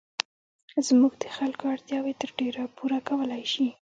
زموږ د خلکو اړتیاوې تر ډېره پوره کولای شي.